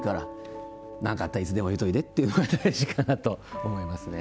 「何かあったらいつでも言うといで」っていうのが大事かなと思いますね。